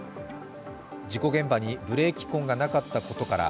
事故現場にブレーキ痕がなかったことから